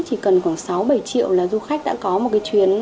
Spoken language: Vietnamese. chỉ cần khoảng sáu bảy triệu là du khách đã có một cái chuyến